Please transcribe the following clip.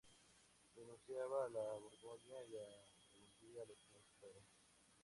Renunciaba a la Borgoña y devolvía a los príncipes.